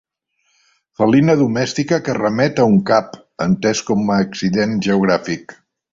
Felina domèstica que remet a un cap, entès com a accident geogràfic .